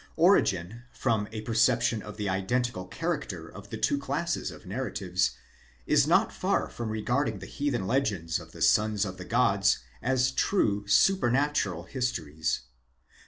Origen, from a perception of the identical character of the two classes of narratives, is not far from regarding the heathen legends of the sons of the gods as true supefnatural histories.